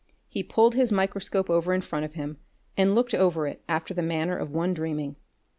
He pulled his microscope over in front of him and looked over it after the manner of one dreaming.